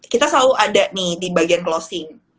kita selalu ada nih di bagian closing